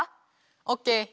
オッケー！